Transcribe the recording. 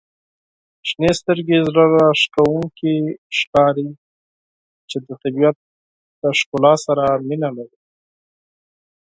• شنې سترګي زړه راښکونکي ښکاري چې د طبیعت د ښکلا سره مینه لري.